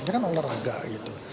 ini kan olahraga gitu